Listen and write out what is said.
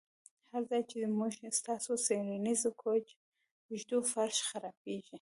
هر ځای چې موږ ستاسو څیړنیز کوچ ږدو فرش خرابیږي